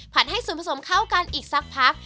ให้ส่วนผสมเข้ากันอีกสักพัก